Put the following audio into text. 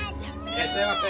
いらっしゃいませ！